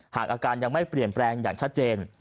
หากอาการยังไม่เปลี่ยนแปลงอย่างชัดเจน